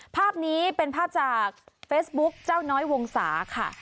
ภาพนี้เป็นภาพจากเฟซบุ๊คเจ้าน้อยวงศาค่ะ